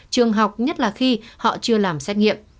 trường học nhất là khi họ chưa làm xét nghiệm